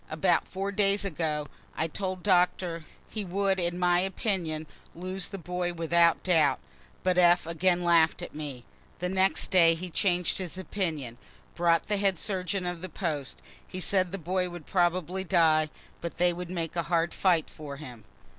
About four days ago, I told Doctor he would in my opinion lose the boy without doubt but F. again laugh'd at me. The next day he changed his opinion brought the head surgeon of the post he said the boy would probably die, but they would make a hard fight for him.